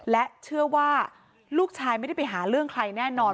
และเชื่อว่าลูกชายไม่ได้ไปหาเรื่องใครแน่นอน